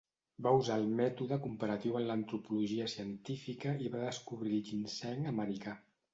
Va usar el mètode comparatiu en l'antropologia científica i va descobrir el ginseng americà.